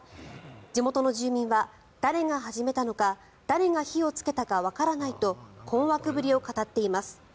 地元の住民は誰が始めたのか誰が火をつけたかわからないと困惑ぶりを語っています。